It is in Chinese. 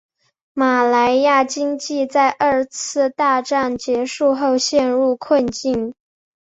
马来亚经济在二次大战结束后陷于困境。